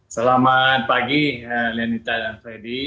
selamat pagi lenita dan freddy